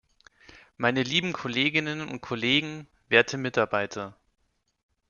Meine lieben Kolleginnen und Kollegen, werte Mitarbeiter!